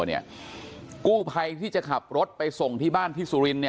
กู้ภัยที่จะขับรถไปส่งที่บ้านที่สุรินทร์